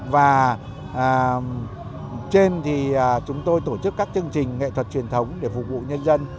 và trên thì chúng tôi tổ chức các chương trình nghệ thuật truyền thống để phục vụ nhân dân